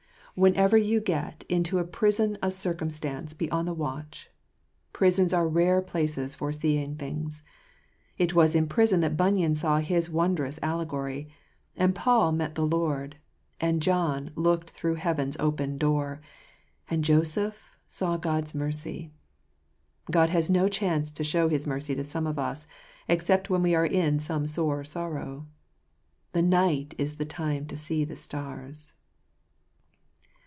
Whenever you get 53 ^Eiatmirrattruh anti Smpmoueh. into a prison of circumstances, be on the watch. Prisons are rare places for seeing things. It was in prison that Bunyan saw his wondrous allegory, and Paul met the Lord, and John looked through heaven's open door, and Joseph saw God's mercy. God has no chance to show his mercy to some of us except when we are in some sore sorrow. The night is the time tojsee the stars.